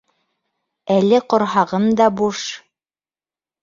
Әле ҡорһағым да буш...